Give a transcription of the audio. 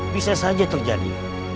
bisa saja terjadi